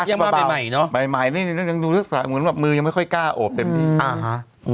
อ่ายังไม่เป็นใหม่เนอะใหม่นี่ยังดูศึกษาเหมือนแบบมือยังไม่ค่อยก้าโอบเต็มที